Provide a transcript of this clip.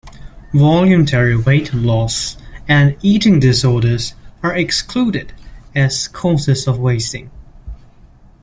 Voluntary weight loss and eating disorders are excluded as causes of wasting.